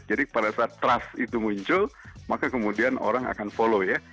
jadi pada saat trust itu muncul maka kemudian orang akan follow ya